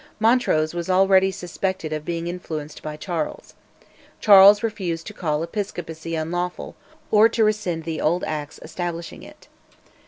Montrose was already suspected of being influenced by Charles. Charles refused to call Episcopacy unlawful, or to rescind the old Acts establishing it.